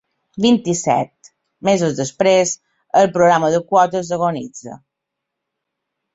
Vint-i-set mesos després, el programa de quotes agonitza.